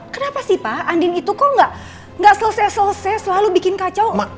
kenapa sih pak andin itu kok gak selesai selesai selalu bikin kacau